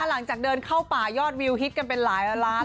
หลังจากเดินเข้าป่ายอดวิวฮิตกันเป็นหลายล้าน